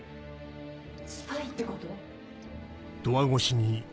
・スパイってこと？